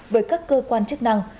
với các cơ quan chức năng